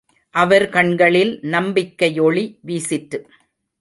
அவர் கண்களில் நம்பிக்கையொளி வீசிற்று.